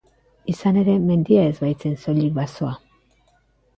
Izan ere, mendia ez baitzen soilik basoa.